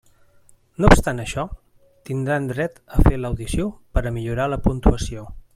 No obstant això, tindran dret a fer l'audició per a millorar la puntuació.